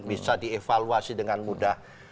bisa dievaluasi dengan mudah